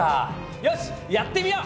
よしやってみよう！